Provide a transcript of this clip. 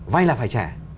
vay là phải trả